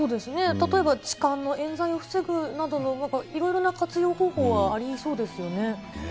例えば、痴漢のえん罪を防ぐなどのいろいろな活用方法はありそうですよね。